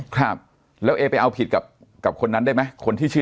ครับแล้วเอไปเอาผิดกับคนนั้นได้ไหม